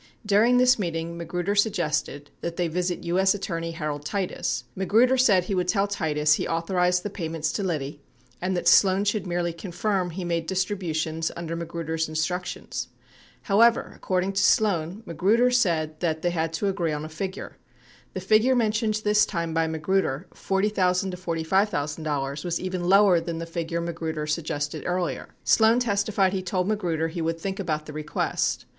Dur ing this meeting Magruder suggested that they visit 17. S. Attorney Harold Titus. Magruder said he would tell Titus he authorized the payments to Liddy and that Sloan should merely confirm he made distributions under Magruder's instructions. However, according to Sloan, Magruder said that they had to agree on a figure. The figure mentioned this time by Magruder, $40,000 $45,000, was even lower than the figure Magruder suggested earlier. Sloan testified he told Magruder he would think about the request.